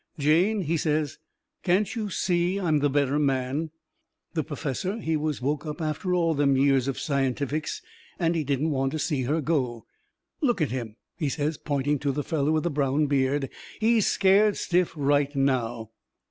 "Jane," he says, "can't you see I'm the better man?" The perfessor, he was woke up after all them years of scientifics, and he didn't want to see her go. "Look at him," he says, pointing to the feller with the brown beard, "he's scared stiff right now."